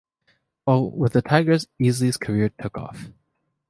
While with the Tigers, Easley's career took off.